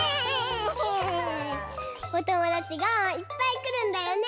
おともだちがいっぱいくるんだよね！